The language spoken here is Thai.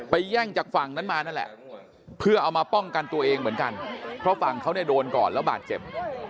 แย่งจากฝั่งนั้นมานั่นแหละเพื่อเอามาป้องกันตัวเองเหมือนกันเพราะฝั่งเขาเนี่ยโดนก่อนแล้วบาดเจ็บ